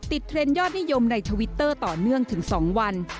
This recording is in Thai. เทรนด์ยอดนิยมในทวิตเตอร์ต่อเนื่องถึง๒วัน